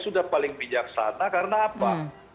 sudah paling bijaksana karena apa